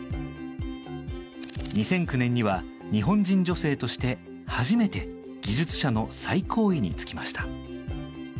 ２００９年には日本人女性として初めて技術者の最高位に就きました。